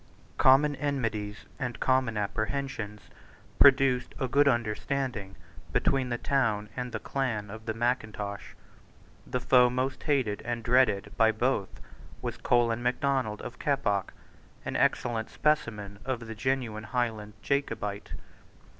Common enmities and common apprehensions produced a good understanding between the town and the clan of Mackintosh. The foe most hated and dreaded by both was Colin Macdonald of Keppoch, an excellent specimen of the genuine Highland Jacobite.